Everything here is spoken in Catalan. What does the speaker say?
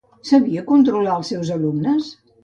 Sabia controlar als seus alumnes?